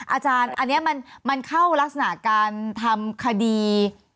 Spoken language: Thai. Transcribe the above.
อาจารย์อันนี้มันเข้ารักษณะการทำคดี